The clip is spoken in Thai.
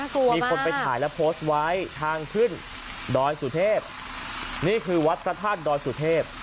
มีคนไปถ่ายแล้วโพสต์ไว้ทางขึ้นดอยสุเทพนี่คือวัดพระธาตุดอยสุเทพ